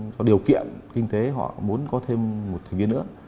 có điều kiện kinh tế họ muốn có thêm một thầy viên nữa